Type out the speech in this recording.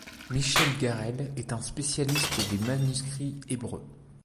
Michel Garel est un spécialiste des manuscrits hébreux.